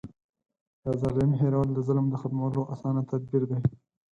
د ظالم هېرول د ظلم د ختمولو اسانه تدبير دی.